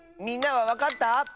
みんなはわかった？